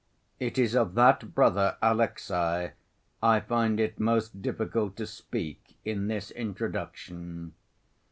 It is of that brother Alexey I find it most difficult to speak in this introduction.